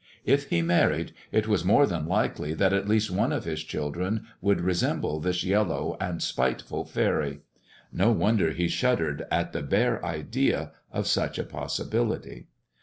If he married it was more than likely that at least one of his children would resemble this yellow and spiteful faery. No wonder he shuddered at the bare idea of such a possibility.